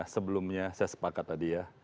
sebelumnya saya sepakat tadi ya